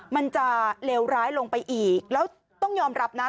มันจะเลวร้ายลงไปอีกแล้วต้องยอมรับนะ